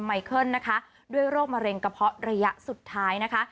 ไมเคิลนะคะด้วยโรคมะเร็งกระเพาะระยะสุดท้ายนะคะ